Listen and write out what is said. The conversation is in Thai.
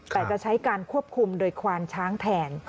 แต่จะใช้การควบคุมโดยควานช้างแทน